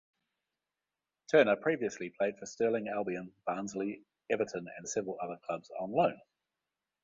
Turner previously played for Stirling Albion, Barnsley, Everton and several other clubs on loan.